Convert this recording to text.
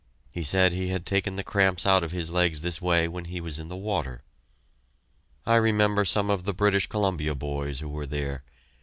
He said he had taken the cramps out of his legs this way when he was in the water. I remember some of the British Columbia boys who were there.